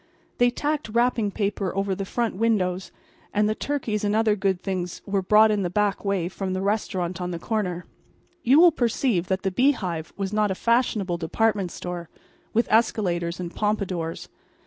They tacked wrapping paper over the front windows; and the turkeys and other good things were brought in the back way from the restaurant on the corner. You will perceive that the Bee Hive was not a fashionable department store, with escalators and pompadours.